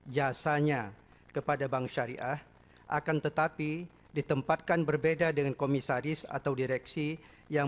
jasanya kepada bank syariah akan tetapi ditempatkan berbeda dengan komisaris atau direksi yang